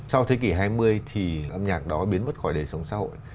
sau thế kỷ hai mươi thì âm nhạc đó biến mất khỏi đời sống xã hội